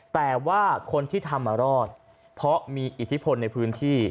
แต่ว่าคนที่ทำมารอดเพราะมีอิทธิพลในพื้นที่